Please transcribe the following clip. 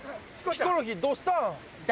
ヒコロヒーどうしたん？